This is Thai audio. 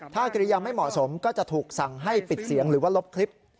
ถ้ากิริยาไม่เหมาะสมก็จะถูกสั่งให้ปิดเสียงหรือว่าลบคลิป